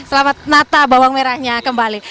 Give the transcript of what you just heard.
selamat natal bawang merahnya kembali